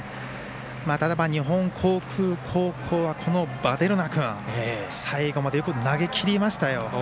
ただ、日本航空高校はヴァデルナ君最後までよく投げきりましたよ。